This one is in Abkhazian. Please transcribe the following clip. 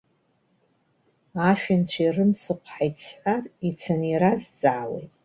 Ашәанцәа ирымсхәҳаит сҳәар, ицаны иразҵаауеит.